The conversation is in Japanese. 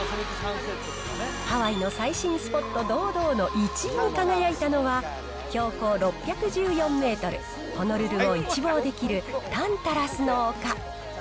ハワイの最新スポット堂々の１位に輝いたのは、標高６１４メートル、ホノルルを一望できるタンタラスの丘。